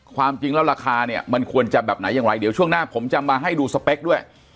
ความจริงแล้วราคาเนี่ยมันควรจะแบบไหนอย่างไรเดี๋ยวช่วงหน้าผมจะมาให้ดูสเปคด้วย